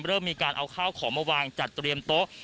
เริ่มมีการเอาข้าวของมาวางจัดเตรียมโต๊ะ